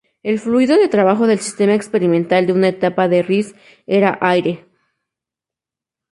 El fluido de trabajo del sistema experimental de una etapa de Rice era aire.